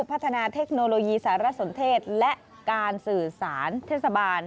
พัฒนาเทคโนโลยีสารสนเทศและการสื่อสารเทศบาล